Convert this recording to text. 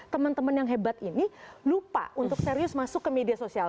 teman teman yang hebat ini lupa untuk serius masuk ke media sosial